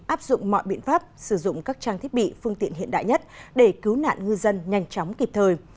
áp dụng mọi biện pháp sử dụng các trang thiết bị phương tiện hiện đại nhất để cứu nạn ngư dân nhanh chóng kịp thời